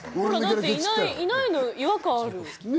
いないの違和感ある。